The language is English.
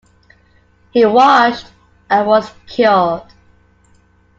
He washed, and was cured.